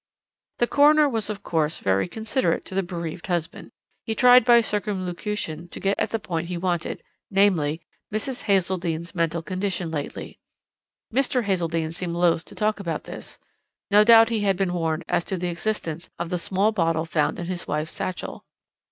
"The coroner was, of course, very considerate to the bereaved husband. He tried by circumlocution to get at the point he wanted, namely, Mrs. Hazeldene's mental condition lately. Mr. Hazeldene seemed loath to talk about this. No doubt he had been warned as to the existence of the small bottle found in his wife's satchel.